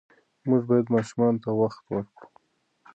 موږ باید ماشومانو ته وخت ورکړو.